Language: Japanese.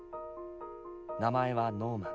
名前はノーマン。